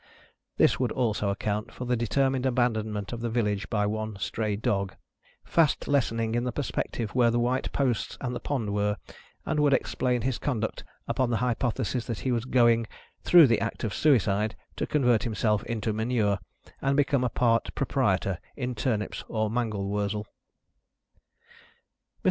This would also account for the determined abandonment of the village by one stray dog, fast lessening in the perspective where the white posts and the pond were, and would explain his conduct on the hypothesis that he was going (through the act of suicide) to convert himself into manure, and become a part proprietor in turnips or mangold wurzel. Mr.